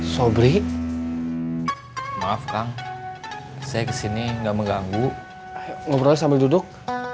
sobri maaf kang saya kesini nggak mengganggu ngobrolnya sambil duduk